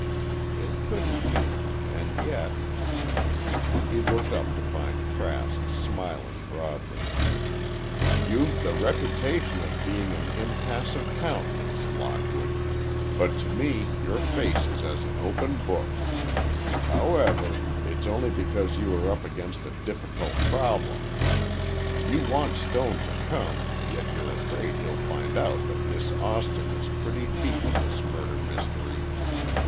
It couldn't be—and yet— He looked up to find Trask smiling broadly. "You've the reputation of being of an impassive countenance, Lockwood, but to me your face is as an open book! However, it's only because you are up against a difficult problem. You want Stone to come, yet you're afraid he'll find out that Miss Austin is pretty deep in this murder mystery.